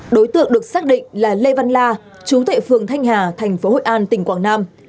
đối tượng được xác định là lê văn la chú tuệ phường thanh hà tp hội an tỉnh quảng nam